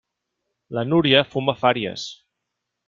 La Núria fuma fàries.